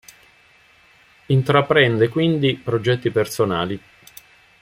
Intraprende quindi progetti personali.